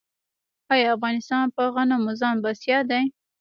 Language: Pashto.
آیا افغانستان په غنمو ځان بسیا دی؟